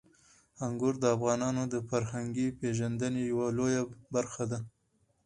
انګور د افغانانو د فرهنګي پیژندنې یوه لویه برخه ده.